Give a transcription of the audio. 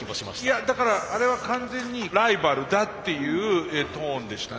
いやだからあれは完全にライバルだっていうトーンでしたね。